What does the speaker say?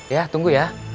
ya tunggu ya